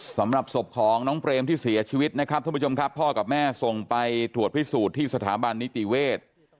สำหรับศพของน้องเปรมที่เสียชีวิตนะครับท่านผู้ชมครับพ่อกับแม่ส่งไปตรวจพิสูจน์ที่สถาบันนิติเวศ